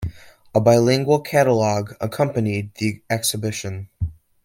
A bilingual catalogue accompanied the exhibition.